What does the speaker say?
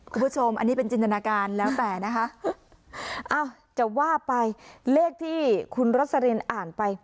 คุณผู้ชมอันนี้เป็นจินตนาการแล้วแต่นะคะอ้าวจะว่าไปเลขที่คุณรสลินอ่านไป